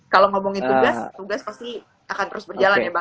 kalau ngomongin tugas tugas pasti akan terus berjalan ya bang